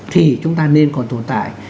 thì chúng ta nên còn tồn tại